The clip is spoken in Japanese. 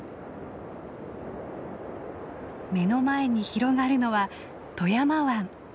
目の前に広がるのは富山湾。